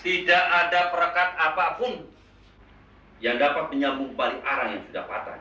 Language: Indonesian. tidak ada perekat apapun yang dapat menyambung balik arah yang sudah patah